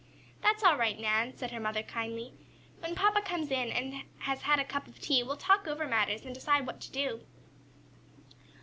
"That's all right, Nan," said her mother kindly. "When papa comes in, and has had a cup of tea, we'll talk over matters, and decide what to do."